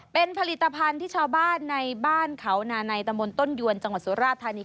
เป็นผลิตภัณฑ์ที่ชาวบ้านในบ้านเขานาในตะมนต้นยวนจังหวัดสุราธานี